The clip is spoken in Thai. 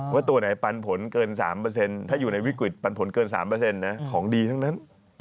ว่าตัวไหนปันผลเกิน๓ถ้าอยู่ในวิกฤตปันผลเกิน๓ของดีทั้งนั้น